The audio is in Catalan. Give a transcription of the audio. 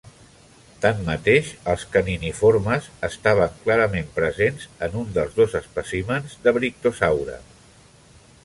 Tanmateix, els caniniformes estaven clarament presents en un dels dos espècimens d'"Abrictosaure".